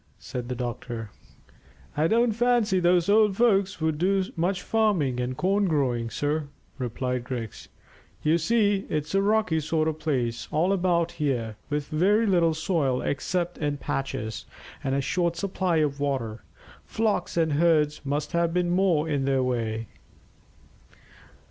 said the doctor. "I don't fancy those old folks would do much farming and corn growing, sir," replied Griggs. "You see, it's a rocky sort of place all about here, with very little soil except in patches, and a short supply of water. Flocks and herds must have been more in their way."